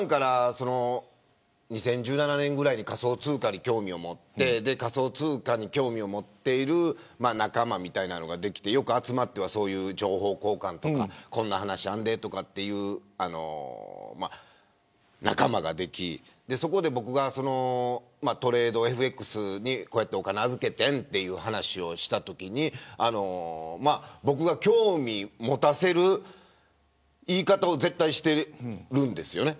２０１７年ぐらいに仮想通貨に興味を持って興味を持っている仲間みたいなのができてよく集まって情報交換をしたりこんな話があるでという仲間ができてそこで僕がトレード、ＦＸにお金を預けたという話をしたときに僕が興味を持たせる言い方を絶対にしているんですよね。